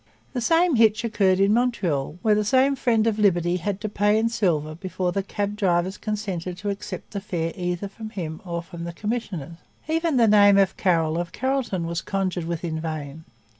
The same hitch occurred in Montreal, where the same Friend of Liberty had to pay in silver before the cab drivers consented to accept a fare either from him or from the commissioners. Even the name of Carroll of Carrollton was conjured with in vain.